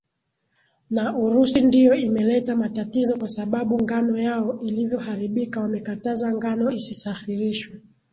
na urusi ndio imeleta matatizo kwa sababu ngano yao ilivyoharibika wamekataza ngano isisafirishwe